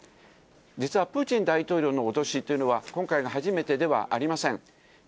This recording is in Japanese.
実はプーチン大統領の脅しというのは、今回が初めてではありません。